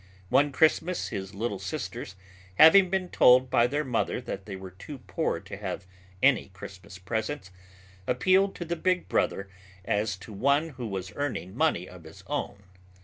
One Christmas his little sisters, having been told by their mother that they were too poor to have any Christmas presents, appealed to the big brother as to one who was earning money of his own.